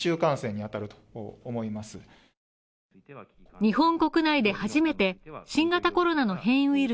日本国内で初めて新型コロナの変異ウイル